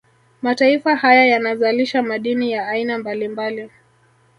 Mataifa haya yanazalisha madini ya aina mbalimbali